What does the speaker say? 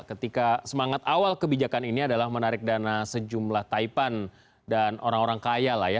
ketika semangat awal kebijakan ini adalah menarik dana sejumlah taipan dan orang orang kaya lah ya